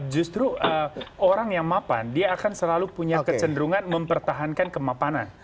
justru orang yang mapan dia akan selalu punya kecenderungan mempertahankan kemapanan